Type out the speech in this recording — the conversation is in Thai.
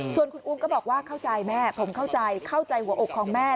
ส่วนคุณอุ้มก็บอกว่าเข้าใจแม่ผมเข้าใจเข้าใจหัวอกของแม่